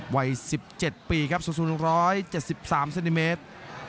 วัย๑๗ปีครับสูง๑๗๓เซนติเมตร